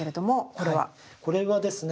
これはですね